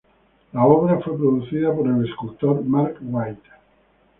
La obra fue producida por el escultor Mark Whyte.